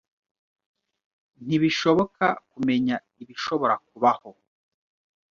Ntibishoboka kumenya ibishobora kubaho.